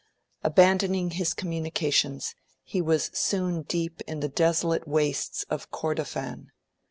Abandoning his communications, he was soon deep in the desolate wastes of Kordofan.